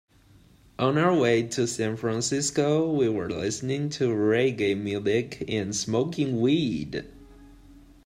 On our way to San Francisco, we were listening to reggae music and smoking weed.